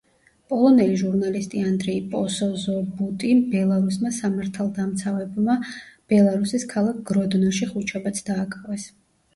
პოლონელი ჟურნალისტი ანდრეი პოსზობუტი ბელარუსმა სამართალდამცავებმა ბელარუსის ქალაქ გროდნოში ხუთშაბათს დააკავეს.